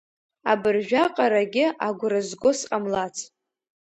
Абыржәаҟарагьы агәра зго сҟамлац.